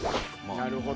なるほど。